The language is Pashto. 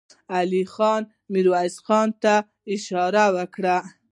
علی خان ميرويس خان ته اشاره وکړه.